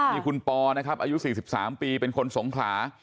นี่คุณปอนะครับอายุ๔๓ปีเป็นคนสงขลา